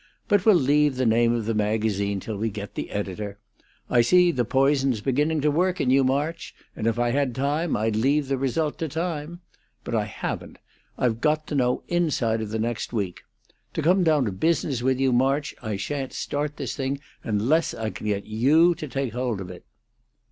"But we'll leave the name of the magazine till we get the editor. I see the poison's beginning to work in you, March; and if I had time I'd leave the result to time. But I haven't. I've got to know inside of the next week. To come down to business with you, March, I sha'n't start this thing unless I can get you to take hold of it."